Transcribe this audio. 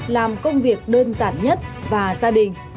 làm công việc đơn giản nhất và gia đình